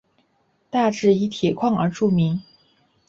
大冶以铁矿而著名。